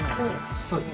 ・そうです